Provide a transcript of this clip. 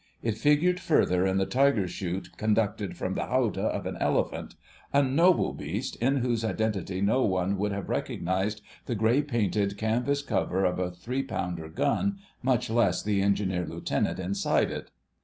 It figured further in the tiger shoot conducted from the howdah of an elephant—a noble beast in whose identity no one would have recognised the grey painted canvas cover of a 3 pdr. gun, much less the Engineer Lieutenant inside it.